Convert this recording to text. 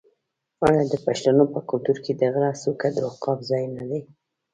آیا د پښتنو په کلتور کې د غره څوکه د عقاب ځای نه دی؟